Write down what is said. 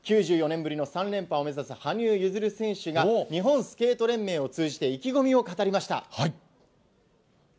９４年ぶりの３連覇を目指す羽生結弦選手が、日本スケート連盟を通じて意気込みを語りました。